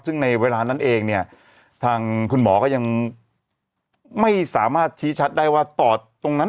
ซึ่งในเวลานั้นเองเนี่ยทางคุณหมอก็ยังไม่สามารถชี้ชัดได้ว่าปอดตรงนั้น